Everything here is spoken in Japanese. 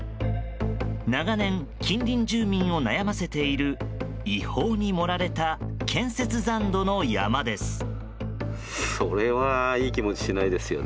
長年、近隣住民を悩ませている違法に盛られた建設残土の山です。